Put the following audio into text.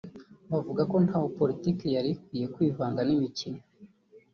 bavugaga ko ntaho politike yari ikwiye kwivanga n’imikino